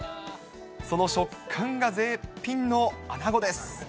その食感が絶品のアナゴです。